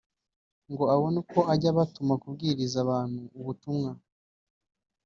ngo abone uko ajya abatuma kubwiriza abantu ubutumwa